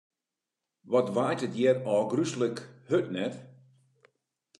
Wat waait it hjir ôfgryslike hurd, net?